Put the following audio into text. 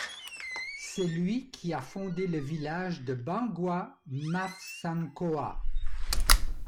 C'est lui qui a fondé le village de Bangoi Mafsankoa.